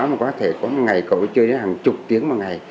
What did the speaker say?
mà có thể có một ngày cầu chơi đến hàng chục tiếng một ngày